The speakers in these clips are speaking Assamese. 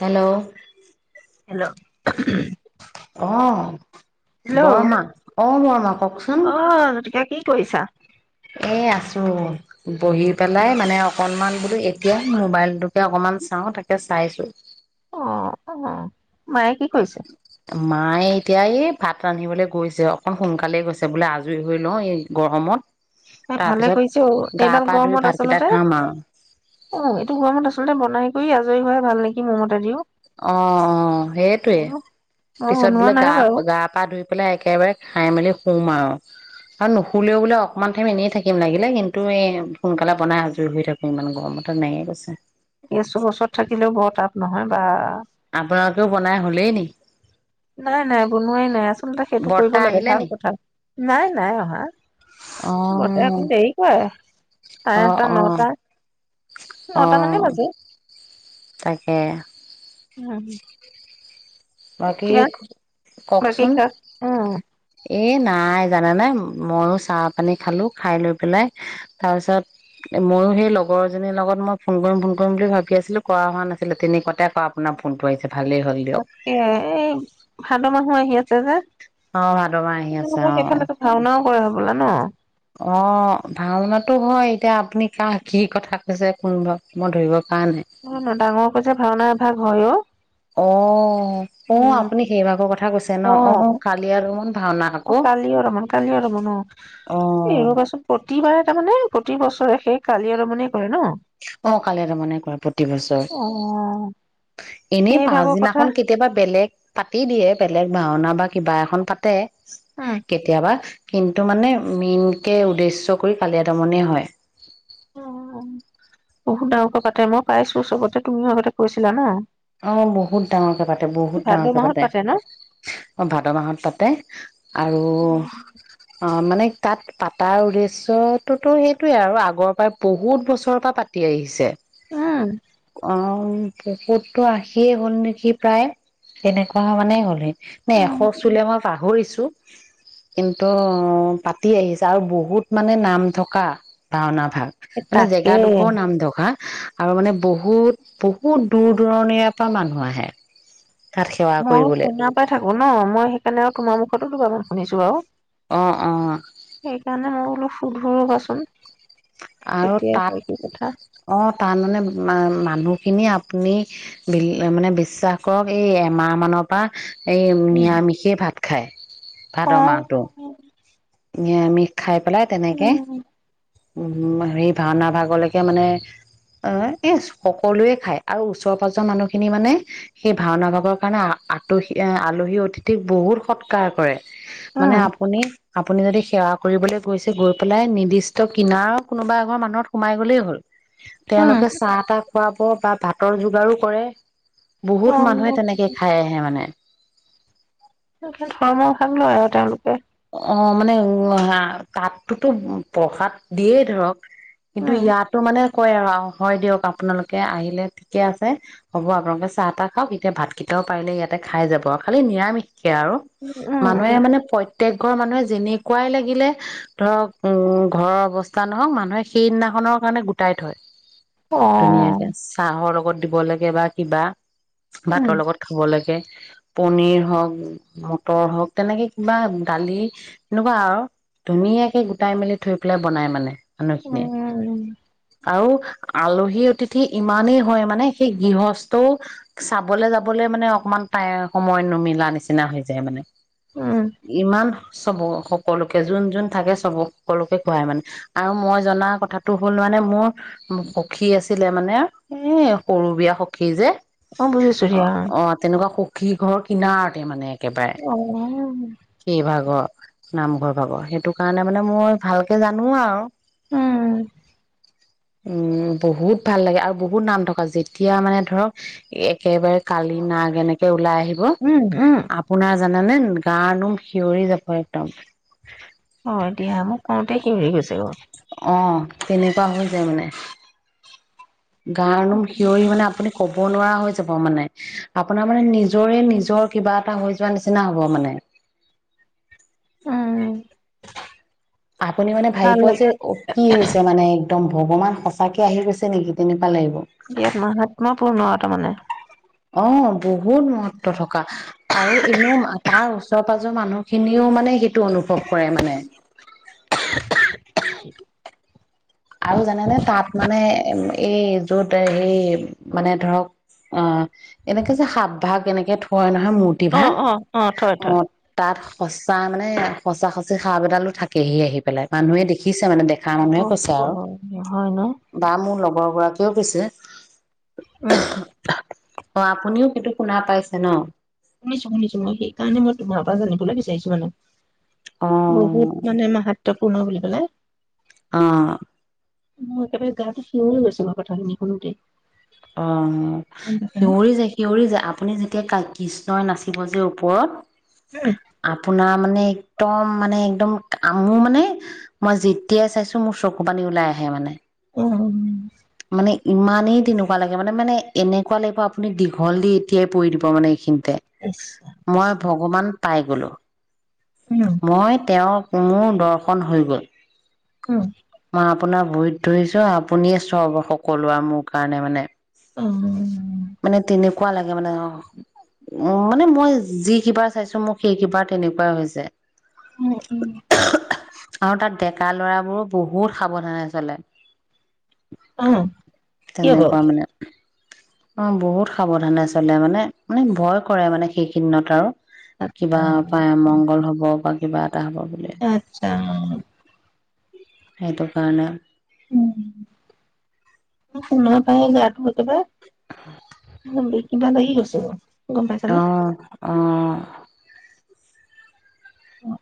হেল্ল' হেল্ল' অ' হেল্ল' বৰ মা অ' মৰ মা ক'ক কওকচোন অ জ্যোতিকা কি কৰিছা? এ আছো বহি পেলাই মানে অকনমান বোলো এতিয়া মোবাইলটোকে অকনমান চাওঁ তাকে চাইছো। অ, অ মায়ে কি কৰিছে? মায়ে এতিয়া এই ভাত ৰান্ধিবলৈ গৈছে অকণ সোনকালে গৈছে বোলে আজৰি হৈ লওঁ এই গৰমত এ ভালে তাৰপিছত কৰিছে গা এইডাল পা ধুই গৰমত ভাতকেইটা আচলতে খাম আৰু অ এইটো গৰমত আচ আচলতে বনাই কৰি আজৰি হয়াই ভাল নেকি মোৰমতে দিও অ অ অ সেইটোয়ে মই পিছত বনোৱা বোলে নাই গা বাৰু গা পা ধুই পেলাই একেবাৰে খাই মেলি শুম আৰু আৰু নুশুললেও বোলে অকমান টাইম এনেই থাকিম লাগিলে কিন্তু এই সোনকালে বনাই আজৰি হৈ থাকো ইমান গৰম তেনেকে কৈছে। এইছু বছৰত থাকিলেও বৰ তাপ নহয় বা আপোনালোকেও বনাই হলেই নেকি? নাই নাই বনোৱাই নাই আচলতে সেইটো কৰিব বৰ্তা লাগে আহিলে ভাল নি কথা। নাই নাই অহা অ বৰতা অকণ দেৰি কৰে চাৰে অ আঠটা অ নটা নটা মানে অহ বাজে তাকে। উম হ'। বাকী এতিয়া বাকী কওকচোন কাখ এ নাই জানেনে ময়ো চাহ পানী খালো খাই লৈ পেলাই তাৰপিছত ময়ো সেই লগৰজনীৰ লগত মই ফোন কৰিম ফোন কৰিম বুলি ভাবি আছিলো কৰা হোৱা নাছিলে তেনেকুৱাতে আকৌ আপোনাৰ ফোনটো আহিছে। ভালেই হ'ল দিয়ক। এ এই ভাদ মাহো আহি আছে যে। অ ভাদ মাহ আহি আছে [unintelligible] অ সেইফালেটো ভাওনাও কৰে হ'ব ব'লা ন অ ভাওনাতো হয় এতিয়া আপুনি কাহ কি কথা কৈছে কোনব মই ধৰিব পৰা নাই নহয় নহ ডাঙৰ কৈছে ভাওনা এভাগ হয় অ অ অ উম, আপুনি সেই ভাগৰ কথা কৈছে ন অ কালি আৰু অ কালি ৰমন কালি ৰমন অ অ এইব কচোন প্ৰতিবাৰে তাৰমানে প্ৰতি বছৰে সেই কালি আৰু মানে অ কালিয়দমনে কৰে প্ৰতি অ বছৰে এনেই সেই ভাগৰ কথা পাছদিনাখন কেতিয়াবা বেলেগ পাতি দিয়ে বেলেগ ভাওনা বা কিবা এখন পাতে উম কেতিয়াবা কিন্তু মানে মেইনকে উদ্দেশ্য কৰি কালিয়া দমনে হয় অ বহুত ডাঙৰকে পাতে মই পাইছো চবতে তুমিও আগতে কৈছিলা ন অ বহুত ডাঙৰকে পাতে বহুত ভাদ ডাঙৰকে মাহত পাতে ন? অ ভাদ মাহত পাতে আৰু অ মানে তাত পাতাৰ উদ্দেশ্যটোতো সেইটোৱেই আৰু আগৰ পৰাই বহুত বছৰৰ পৰা পাতি আহিছে আহ অ বহুত তো আহিয়েই হ'ল নেকি প্ৰায় তেনেকুৱা মানে হ'ল ন এশ উম চুলে মই পাহৰিছো কিন্তু পাতি আহিছে আৰু বহুত মানে নাম থকা ভাওনা ভাল এ মানে তাকে জেগাডোখৰ নামঢখা আৰু মানে বহুত বহুত দূৰ দূৰণিৰে পৰা মানুহ আহে তাত সেৱা মই কৰিবলৈ ফোণাৰ পৰাই থাকো ন মই সেইকাৰণে আৰু তোমাৰ মুখত ক শুনিছো আৰু অ অ সেইকাৰণে মই বোলো শুধো ৰবা চোন আৰু তাত অ তাৰ মানে মানুহখিনিয়ে আপুনি বি মানে বিশ্বাস কৰক এই এমাহ মানৰ পৰা এই নিৰামিষেই ভাত খায় ভাদ আহ মাহটো নিৰামিষ খাই পেলাই তেনেকে উম সেই ভাওনা ভাগলৈকে মানে আহ এ সকলোৱে খায় আৰু ওচৰ পাজৰ মানুহখিনি মানে সেই ভাওনা ভাগৰ কাৰণে আলহী আলহী অতিথিক বহুত সৎকাৰ কৰে মানে উম, আপুনি আপুনি যদি সেৱা কৰিবলৈ গৈছে গৈ পেলাই নিৰ্দিষ্ট কিনাৰ কোনোবা এগৰ মানুহত সোমাই গ'লেই হ'ল তেওঁলোকে চাহ তাহ খুৱাব বা ভাতৰ যোগাৰো কৰে বহুত মানুহে উম, তেনেকে খাই আহে মানে ধৰ্মৰ ভাগ লয় আৰু তেওঁলোকে অ মানে উ তাতটোতো প্ৰসাদ দিয়েই ধৰক কিন্তু উম ইয়াতো মানে কয় আৰু হয় দিয়ক আপোনালোকে আহিলে ঠিকে আছে হ'ব আপোনালোকে চাহ তাহ খাওক এতিয়া ভাতকেইটাও পাৰিলে ইয়াতে খাই যাব আৰু খালি নিৰামিষ আৰু উম মানুহে উম মানেত প্ৰত্যেযয়ক ঘৰ মানুহে যেনেকুৱাই লাগিলে ধৰক উম ঘৰৰ অৱস্থা নহওক মানুহে সেইদিনাখনৰ কাৰণে গোটাই থয় অ ধুনীয়াকে চাহৰ লগত দিব লাগে বা কিবা উম ভাতৰ লগত খাব লাগে পনিৰ হওক মটৰ হওক তেনেকে কিবা দালি এনেকুৱা আৰু ধুনীয়াকে গোটাই মেলি থৈ পেলাই বনাই মানে উ মানুহখিনিয়ে আৰু আলহী অতিথি ইমানেই হয় মানে সেই গৃহস্থও চাবলৈ যাবলৈ মানে অকমান াই সময় নুমিলা নিচিনা হৈ যায় মানে উম ইমান চব সকলোকে যোন যোন থাকে চব সকলোকে খুৱাই মানে আৰু মই জনা কথাটো হ'ল মানে মোৰ সখী আছিলে মানে এ সৰু বিয়া সখী যে অ বুজিছো দিয়া কি ঘৰ কিনাৰতে মানে অ কি ভাগ নামঘৰ পাব সেইটো কাৰণে মানে মই ভালকে জানো আৰু উম উম বহুত ভাল লাগে আৰু বহুত নাম থকা যেতিয়া মানে ধৰক একেবাৰে কালি নাগ এনেকে ওলাই আহে উম উম আপোনাৰ জানে গাু খিঞৰি যাব একদম হয় দিয়া মোক ফওঁতে সি উৰি গৈছে গৰ অঁ কেনেকুৱা হৈ যায় মানে গানুম খিয়ৰি মানে আপুনি ক'ব না হৈ যাব মানে আপোনাৰ মানে নিজৰে নিজৰ কিবা এটা হৈ যোৱা নিচিনা হ'ব মানে উম আপুনি মানে ভাবি ভাল পোৱা যে লাগে কি হৈছে মানে একদম ভগৱান সঁচাকে আহি গৈছে নেকি তেনে ইয়াত মাহাত্মা পূৰ্ণ তামানে অ'। বহুত মহত্ব থকা আৰু এনেও তাৰ ওচ পাজৰ মানুহ খিনিও মানে টো অনুভৱ কৰে মানে। আৰু জানেনে? তাত মানে এই য'ত হেই মানে ধৰক অ', এনেকে যে, সাপ ভাগ এনেকে থয় ন মূৰ্তি অ ভাগ, অ অ থয় থয় অ', তাত সঁচা মানে সঁচা সচি সাপ এদালো থাকেহি আহি পেলাই মানুহে দেখিছে মানে দেখিছে মানে বেক অ [unintelligible] অ', হয়, ন? বৰ গৰাকীয়েও কৈছে উম। অহ আপুনিও সিটো শুনা পাইছে ন? শুনিছোঁ, শুনিছোঁ। মই সেইকাৰণে মই তোমাৰ পৰা জানিবলৈ বিচাৰিছোঁ মানে। অ বহুত মানে মাহাত ত্বপূৰ্ণ বুলি ক'লে। অহ। মই একেবাৰে গাটো শিয়ৰি গৈছো মই কথাখিনি শুনোতেই। অহ, গম পাইছানে শিউৰি যায়, শিউৰি যায়। আপুনি যেতিয়া কাট কৃষ্ণই নাচিব যে উম ওপৰত। আপোনাৰ মানে একদম মানে একদম আমো মানে মই যেতিয়াই চাইছো মোৰ চকু পানী ওলাই আহে মানে। উম মানে ইমানেই তেনেকুৱা লাগে মানে মানে এনেকুৱা লাগিব আপুনি দীঘল দি এতিয়াই পৰি দিব মানে এইখিনি। তে ইচ ৰাম ইচ মই ভগৱান পাই গলো। ৰাম উম মই তেওঁক মোৰ দৰ্শন হৈ গ'ল। উম। মই আপোনাৰ ভৰিত ধৰিছোঁ, আপুনিয়ে সব সকলো আৰু মোৰ কাৰণে মানে। উম মানে তিনে কোৱা লাগে মানে অ, উ, মানে মই যি কিবাৰ চাইছো মোক সেই কিবাৰ তেনেকুৱাই হৈছে। উম উম আৰু তাত ডেকা লৰাবোৰো বহুত সাৱধানে চলে অ কি হ'ব তনেুৱ মানে অ বহুত সাৱধানে চলে মানে মানে ভয় কৰে মানে সেইকদিনত আৰু আচ্ছা কিবা পায়মংগল হ'ব বা বাৰ আত্ছা [inaudible] এইটো কাৰণ উম শুন পে গটো বি কিবা লাগি গৈছে বাৰু গম পাইছা ন অ অ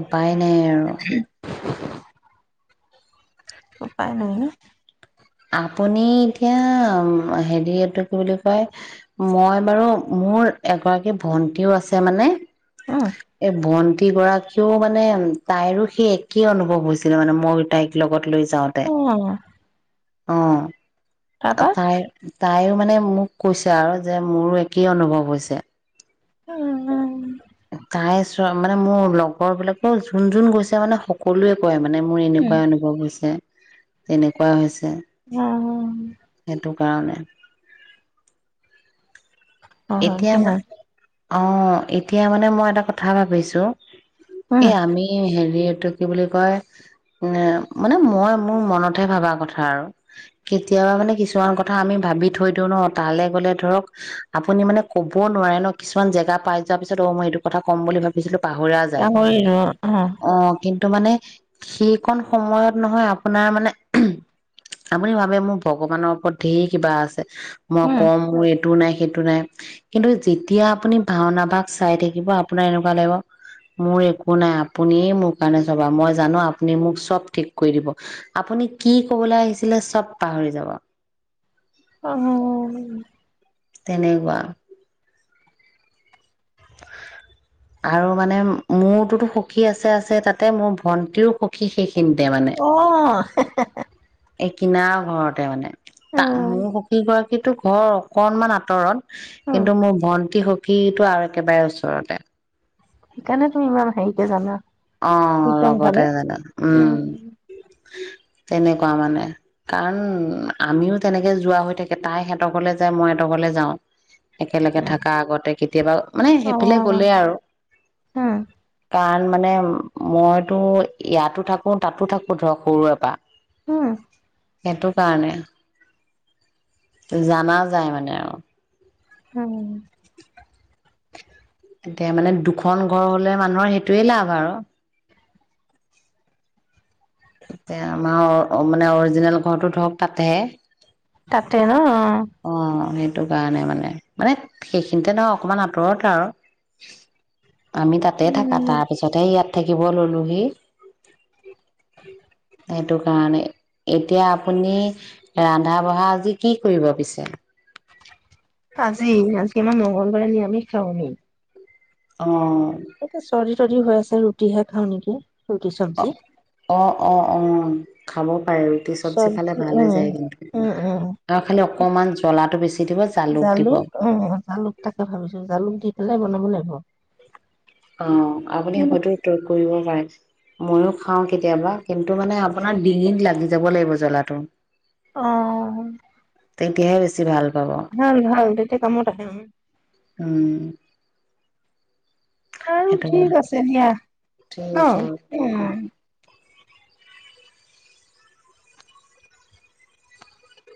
উপায় নাই আৰু উপায় ন ন আপুনি এতিয়া হেৰি এইটো কি বুলি কয় মই বাৰু মোৰ এগৰাকী ভন্টিও আছে মানে এই বনটো গৰাকীও মানে তাইৰো সেই একেই অনুভৱ হৈছিলে মানে মই তাইক লগত লৈো উ অ আ তায় তাইও মানে মোক কৈছে আৰু যে মোৰো একেই অনুভৱ হৈছে উম উম চাই চ মানে মোৰ লগৰ বিলাকো যোন যোন গৈছে মানে সকলোৱে কয় মানে মোৰ উম এনেকুৱাই অনুভৱ হৈছে তেনেকুৱা হৈছে উম উম সেইটো কাৰণে অ হয় স এতিয়া অ এতিয়া মানে মই এটা কথা ভাবিছোঁ এ উম আমি হেৰি এইটো কি বুলি কয় এ মানে মই মোৰ মনতহে ভবা কথা আৰু কেতিয়াবা মানে কিছুমান কথা আমি ভাবি থৈ দিওঁ ন তালৈ গলে ধৰক আপুনি মানে ক'বও নোৱাৰে ন কিছুমান জেগা পাই যোৱাৰ পিছত অ মই এইটো কথা ক'ম বুলি ভাবিছিলো পাহৰা যায় অ কিন্তু মানে সেইকন সময়ত নহয় আপোনাৰ মানে আপুনি ভাবে মোৰ ভগৱানৰ ওপৰত ধঢেৰ কিবা আছে মই উম কম মোৰ এইটো নাই সেইটো নাই কিন্তু যেতিয়া আপুনি ভাওনা ভাগ চাই থাকিব আপোনাৰ এনেকুৱা লাগিব মোৰ একো নাই আপুনিয়ে মোৰ কাৰণে চবা মই জানো আপুনি মোক চব ঠিক কৰি দিব আপুনি কি কবলৈ আহিছিলে চব পাহৰি যাব আহ তেনেকুৱা আৰু মানে মোৰতোতো সখী আছে আছে তাতে মোৰ ভন্টিও সখী শেষ কিন্তে মানে অ [unintelligible] এই কিনাৰ ঘৰতে মানে অ ত মোৰ সুখী কৰা সেইটো ঘৰ অকনমান আঁতৰত কিন্তু মোৰ ভণ্টি সু কিটো আৰু একেবাৰে ওচৰতে সেইকাৰণে তুমি ইমান হেৰিতে জানা অ কীৰ্তন লগতে ভাৱে জানো অ উম তেনেকুৱা মানে কাৰণ আমিও তেনেকে যোৱা হৈ থাকে তাই সিহতৰলে যায় মই সিহঁতৰলে যাওঁ একেলগে থকা আগতে কেতিয়াবা মানে সেইফালে গলেই উম আৰু কাৰণ মানে মইতো ইয়াতো থাকো তাতো থাকো ধৰক সৰুৰে পৰা হ সেইটো কাৰণে জানাও যায় মানে আৰু উম এতিয়া মানে দুখন ঘৰ হলে মানুহৰ সেইটোৱে লাভ আৰু তেয়া আমাৰ মানে অৰিজিনেল ঘৰটো ধৰক তাতেহে তাতে ন অ সেই সেইটো কাৰণে মানে মানে সেইখিনিতে ধৰ অকমান আঁতৰত আৰু আমি তাতে থাকা উম তাৰ পিছতে ইয়াত থাকিব ললোহি সেইটো কাৰণে এতিয়া আপুনি ৰন্ধা বঢ়া আজি কি কৰিব পিছে [inaudible] আজি আজি আমাৰ মঙগলবাৰে নিৰামিষ খাওঁ নি অ তাকে চৰি যদি হৈ আছে ৰুটিহে খাওঁ নেকি ৰুটি অ চব্জি অ অ অ খামত পায় ৰুটি চবজি খালে চব্জি ভাল হৈ উম যায় কিন্তু উম উম আৰু খালি অকমান জ্বলাটো বেছি দিব জালুক দিব হাই বনাব লাগিব অ আপুনি হয়তো তয় কৰিব মইো খাও কেতিয়াবা কিন্তু মানে আপোনাৰ ডিঙিত লাগি যাব লাগিব জ্বলাটো। অহ '। তেতিয়াহে বেছি ভাল। পাব ভাল ভাল তেতি কামতত আহে। উম, আৰু সেইটো হয় ঠিক আছে দিয়া ঠিক ন, আছে। উম।